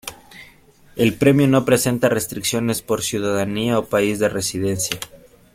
El premio no presenta restricciones por ciudadanía o país de residencia.